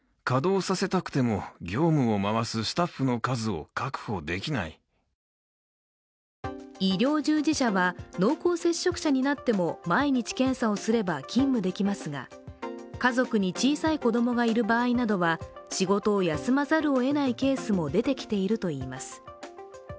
ある救命救急病院の関係者は医療従事者は濃厚接触者になっても毎日検査をすれば勤務できますが家族に小さい子供がいる場合などは仕事を休まざるをえないケースも出てきているといいます。